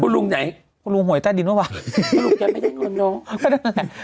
คุณลุงไหนคุณลุงห่วยใต้ดินว่ะป่ะลูกแกไม่ได้เงินเนอะ